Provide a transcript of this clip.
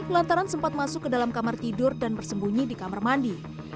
lantaran sempat masuk ke dalam kamar tidur dan bersembunyi di kamar mandi